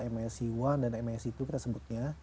msc satu dan msc dua kita sebutnya